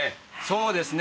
そうですね。